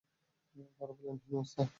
তারা বলল, হে মূসা!